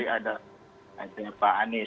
di dekai ada juga pak anies